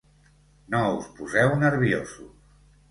No us poseu nerviosos!